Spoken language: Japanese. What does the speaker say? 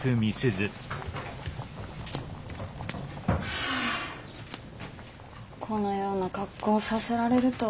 はあこのような格好をさせられるとは。